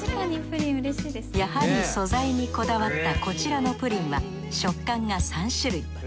やはり素材にこだわったこちらのプリンは食感が３種類。